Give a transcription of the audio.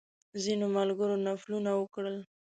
ځینو ملګرو نفلونه وکړل.